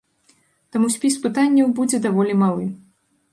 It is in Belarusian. Таму спіс пытанняў будзе даволі малы.